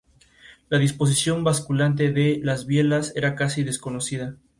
La disposición basculante de las bielas era casi desconocida.